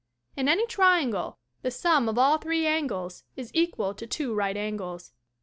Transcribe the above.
In any triangle the sum of all three angles is equal to two right angles.